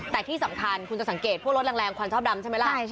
แต่ที่สำคัญคุณจะสังเกตพวกรถแรงความชอบดำใช่ไหมล่ะ